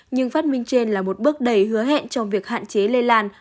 nhưng phát minh trên là một bước đầy hứa hẹn trong việc hạn chế lây lan